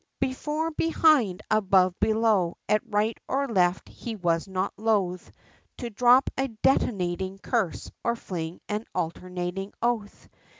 Before, behind, above, below, at right or left, he was not loath To drop a detonating curse, or fling an alternating oath.